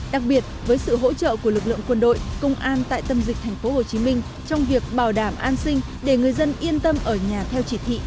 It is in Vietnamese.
đặc biệt với sự hỗ trợ của lực lượng quân đội công an tại tâm dịch tp hcm trong việc bảo đảm an sinh để người dân yên tâm ở nhà theo chỉ thị